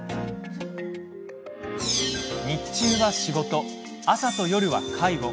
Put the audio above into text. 日中は仕事、朝と夜は介護。